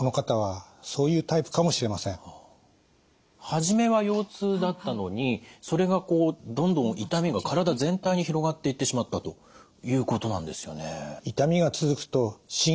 初めは腰痛だったのにそれがこうどんどん痛みが体全体に広がっていってしまったということなんですよね。